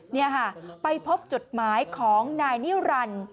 นี่ค่ะไปพบจดหมายของนายนิรันดิ์